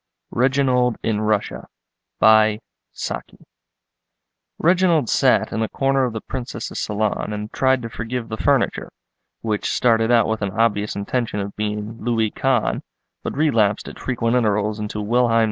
REGINALD IN RUSSIA Reginald sat in a corner of the Princess's salon and tried to forgive the furniture, which started out with an obvious intention of being Louis Quinze, but relapsed at frequent intervals into Wilhelm II.